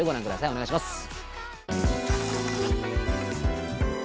お願いします